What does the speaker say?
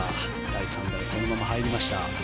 第３打で、そのまま入りました。